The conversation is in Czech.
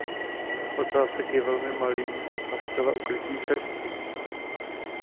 Ocásek je velmi malý a zcela ukrytý v srsti.